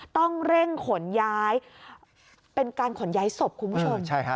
ต้องเร่งขนย้ายเป็นการขนย้ายศพคุณผู้ชม